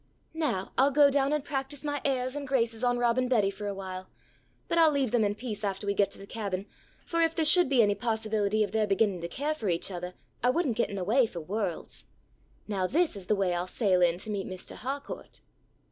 "Now I'll go down and practise my airs and graces on Rob and Betty for awhile. But I'll leave them in peace after we get to the Cabin, for if there should be any possibility of their beginning to care for each othah, I wouldn't get in the way for worlds. Now this is the way I'll sail in to meet Mistah Harcourt!"